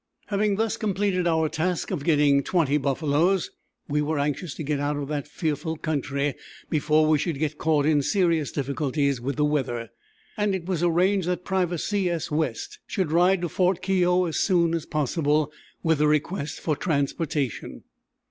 Having thus completed our task (of getting twenty buffaloes), we were anxious to get out of that fearful country before we should get caught in serious difficulties with the weather, and it was arranged that Private C. S. West should ride to Fort Keogh as soon as possible, with a request for transportation.